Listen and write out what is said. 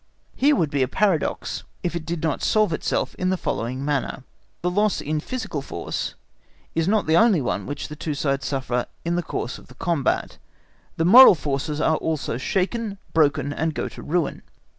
Here would be a paradox, if it did not solve itself in the following manner. The loss in physical force is not the only one which the two sides suffer in the course of the combat; the moral forces also are shaken, broken, and go to ruin.